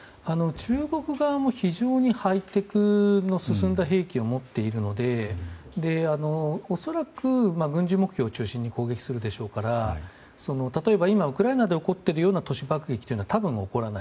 中国側も非常にハイテクが進んだ兵器を持っているので恐らく、軍事目標を中心に攻撃するでしょうから例えば今、ウクライナで起こっているような都市爆撃というのは多分起こらない。